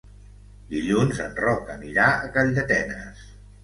Dilluns en Roc anirà a Calldetenes.